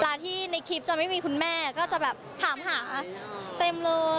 เวลาที่ในคลิปจะไม่มีคุณแม่ก็จะแบบถามหาเต็มเลย